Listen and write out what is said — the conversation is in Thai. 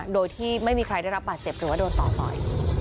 โดยที่ไม่มีใครได้รับบาดเจ็บหรือว่าโดนต่อต่อย